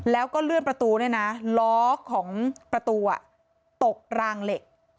แล้วก็เลื่อนประตูเนี่ยนะล้อของประตูตกรางเหล็ก